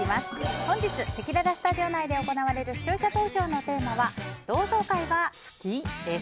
本日せきららスタジオ内で行われる視聴者投票のテーマは同窓会は好き？です。